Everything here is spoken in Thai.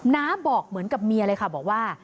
น้าบอกเหมือนกับเมียเลยค่ะบอกว่า